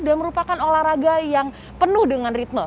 dan merupakan olahraga yang penuh dengan ritme